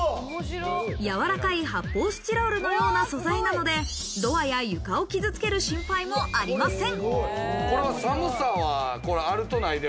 やわらかい発泡スチロールのような素材なのでドアや床を傷つける心配もありません。